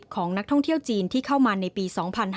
ของนักท่องเที่ยวจีนที่เข้ามาในปี๒๕๕๙